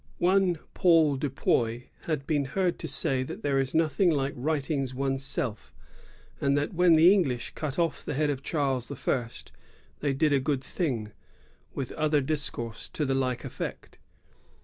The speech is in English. One Paul Dupuy had been heard to say that there is noth ing like righting one's self, and that when the English cut off the head of Charies I. they did a good thing, with other discourse to the like effect.